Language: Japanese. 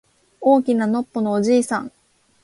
大きなのっぽのおじいさん